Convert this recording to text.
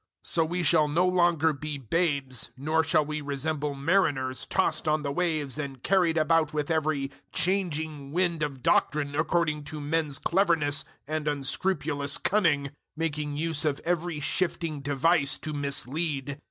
004:014 So we shall no longer be babes nor shall we resemble mariners tossed on the waves and carried about with every changing wind of doctrine according to men's cleverness and unscrupulous cunning, making use of every shifting device to mislead.